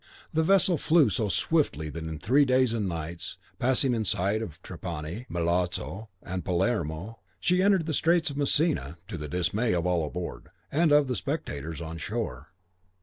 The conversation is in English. The vessel flew so swiftly that in three days and nights, passing in sight of Trapani, Melazo, and Palermo, she entered the straits of Messina, to the dismay of all on board, and of the spectators on shore.